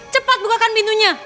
cepat bukakan pintunya